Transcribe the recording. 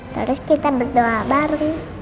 terus kita berdoa bareng